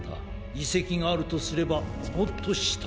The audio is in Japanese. いせきがあるとすればもっとした。